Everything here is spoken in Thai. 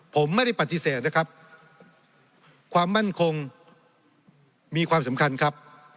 ผมไม่ได้ปฏิเสธนะครับความมั่นคงมีความสำคัญครับ